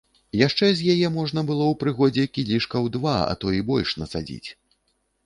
Яшчэ з яе можна было ў прыгодзе кілішкаў два, а то й больш нацадзіць.